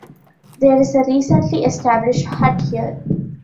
There is a recently established hut here.